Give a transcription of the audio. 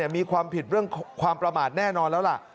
มีความผิดเรื่องความประมาทแน่นอนแล้วล่ะ